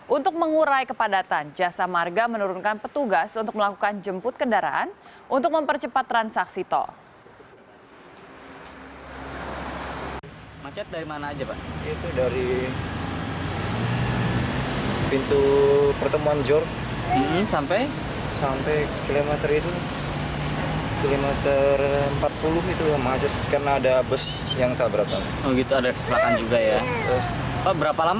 untuk mengurai kepadatan jasa marga menurunkan petugas untuk melakukan jemput kendaraan untuk mempercepat transaksi tol